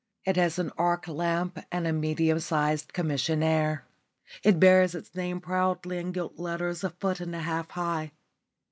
It has an arc lamp and a medium sized commissionaire. It bears its name proudly in gilt letters a foot and a half high.